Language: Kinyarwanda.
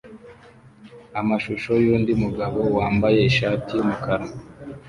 amashusho yundi mugabo wambaye ishati yumukara